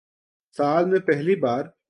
سال میں پہلی بار